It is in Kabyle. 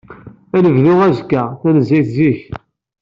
Ad nebdu azekka, tanezzayt zik.